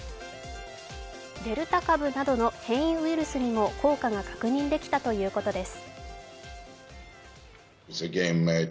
デルタ株などの変異ウイルスにも効果が確認できたということです。